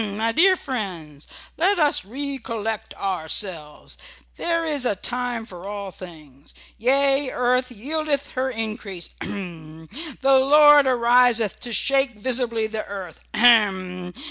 "H m! my dear friends, let us recollect ourselves. There is a time for all things. Yea, earth yieldeth her increase h m! The Lord ariseth to shake visibly the earth ahem!